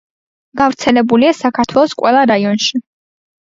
გავრცელებულია საქართველოს ყველა რაიონში.